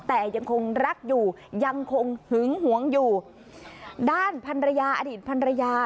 แต่ยังคงรักอยู่ยังคงหึงหวงอยู่ด้านพันรยาอดีตพันรยา